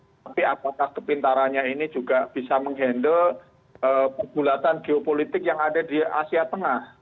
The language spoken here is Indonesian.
tapi apakah kepintarannya ini juga bisa menghandle pergulatan geopolitik yang ada di asia tengah